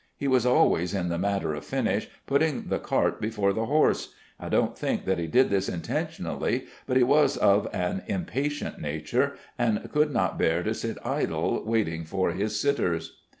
He was always, in the matter of finish, putting the cart before the horse. I don't think that he did this intentionally, but he was of an impatient nature, and could not bear to sit idle, waiting for his sitters.